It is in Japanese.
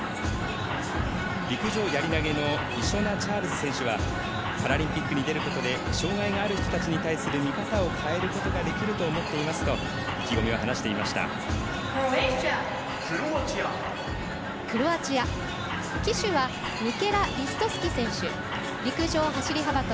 陸上やり投げのイショナ・チャールズ選手はパラリンピックに出ることで障がいがある人たちに対する見方を変えることができると思っていますと意気込みを話していました。